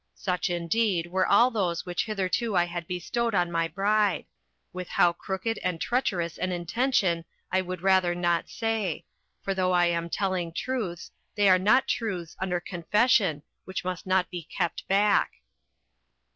Such, indeed, were all those which hitherto I had bestowed on my bride—with how crooked and treacherous an intention I would rather not say; for though I am telling truths, they are not truths under confession which must not be kept back.